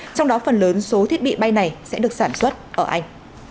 trong đó phần lớn số thiết bị bay này sẽ được sản xuất ở anh